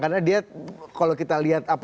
karena dia kalau kita lihat